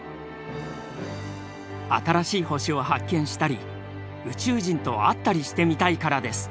「新しい星を発見したり宇宙人と会ったりしてみたいからです」。